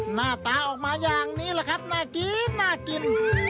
หน้าตาออกมาอย่างนี้แหละครับน่ากินน่ากิน